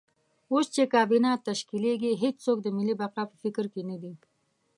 اوس چې کابینه تشکیلېږي هېڅوک د ملي بقا په فکر کې نه دي.